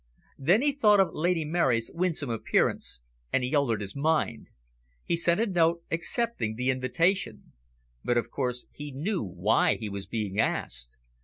Then he thought of Lady Mary's winsome appearance, and he altered his mind. He sent a note accepting the invitation. But of course he knew why he was being asked.